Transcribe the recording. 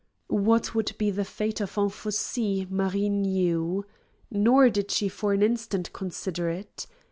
What would be the fate of Anfossi Marie knew. Nor did she for an instant consider it.